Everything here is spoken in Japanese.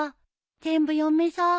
全部読めそう？